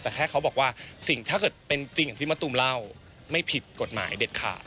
แต่แค่เขาบอกว่าสิ่งถ้าเกิดเป็นจริงอย่างที่มะตูมเล่าไม่ผิดกฎหมายเด็ดขาด